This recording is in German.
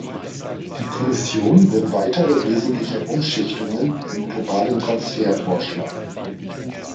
Die Kommission wird weitere wesentliche Umschichtungen im globalen Transfer vorschlagen.